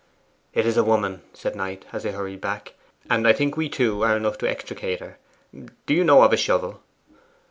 'It is a woman,' said Knight, as they hurried back, 'and I think we two are enough to extricate her. Do you know of a shovel?